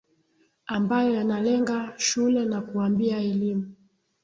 ambayo yanalenga shule na kuwaambia elimu